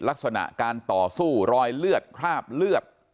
ลักษณะการต่อสู้รอยเลือดคราบเลือด